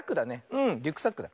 うんリュックサックだ。